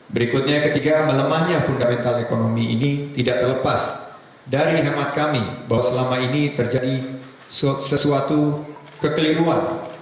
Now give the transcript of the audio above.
berikutnya yang ketiga melemahnya fundamental ekonomi ini tidak terlepas dari hemat kami bahwa selama ini terjadi sesuatu kekeliruan